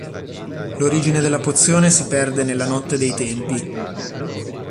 L'origine della pozione si perde nella notte dei tempi.